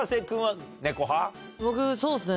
僕そうですね